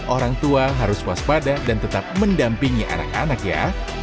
orang tua harus waspada dan tetap mendampingi anak anak ya